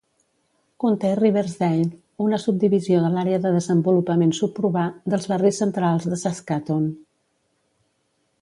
Conté Riversdale, una subdivisió de l'Àrea de Desenvolupament Suburbà dels Barris Centrals de Saskatoon.